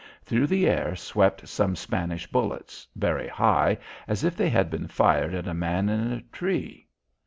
Through the air swept some Spanish bullets, very high, as if they had been fired at a man in a tree.